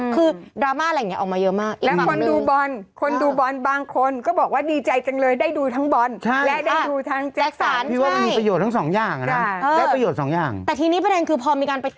คือดราม่าอะไรอย่างนี้ออกมาเยอะมาก